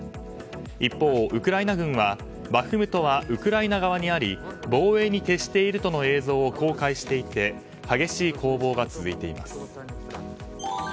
一方、ウクライナ軍はバフムトはウクライナ側にあり防衛に徹しているとの映像を公開していて激しい攻防が続いています。